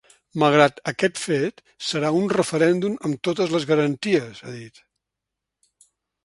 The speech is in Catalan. Malgrat aquest fet, serà un referèndum amb totes les garanties, ha dit.